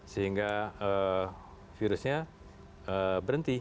sehingga virusnya berhenti